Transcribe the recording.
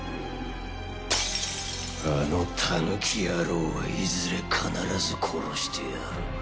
あの狸野郎はいずれ必ず殺してやる。